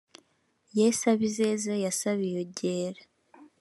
Ye Sabizeze ya Sabiyogera